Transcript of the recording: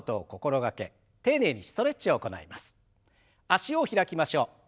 脚を開きましょう。